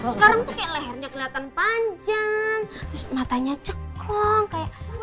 sekarang tuh kayak lehernya kelihatan panjang terus matanya cekong kayak